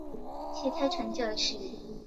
其他传教士此后均被驱逐。